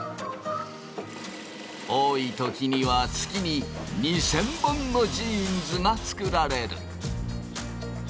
多い時には月に２，０００本のジーンズが作られる。